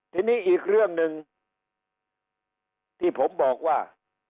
ทีนี้อีกเรื่องหนึ่งที่ผมบอกว่า